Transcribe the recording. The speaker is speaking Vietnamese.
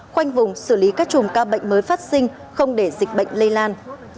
khoanh vùng xử lý các chùm ca bệnh mới phát sinh không để dịch bệnh lây lan